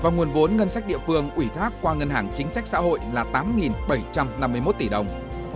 nguồn vốn ngân sách địa phương ủy thác qua ngân hàng chính sách xã hội là tám bảy trăm năm mươi một tỷ đồng